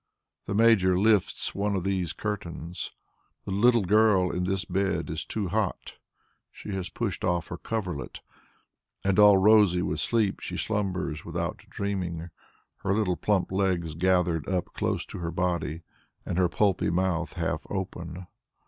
The Major lifts one of these curtains; the little girl in this bed is too hot; she has pushed off her coverlet, and all rosy with sleep, she slumbers without dreaming, her little plump legs gathered up close to her body, and her pulpy mouth half open.